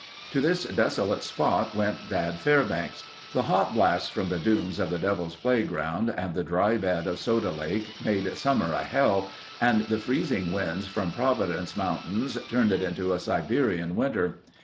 To this desolate spot went Dad Fairbanks. The hot blasts from the dunes of the Devil's Playground and the dry bed of Soda Lake made summer a hell and the freezing winds from Providence Mountains turned it into a Siberian winter.